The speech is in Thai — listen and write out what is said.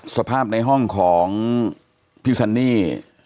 สภาพในห้องของพี่ซันนี่